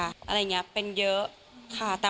อะไรเงี้ยเป็นเยอะค่ะ